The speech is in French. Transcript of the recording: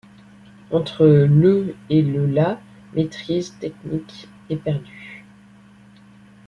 Entre le et le la maitrise technique est perdue.